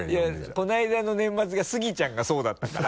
いやこのあいだの年末がスギちゃんがそうだったから。